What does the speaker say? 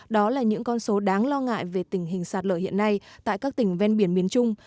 đó là những con số đáng lo ngại về tình hình sạt lở hiện nay tại các tỉnh ven biển miền trung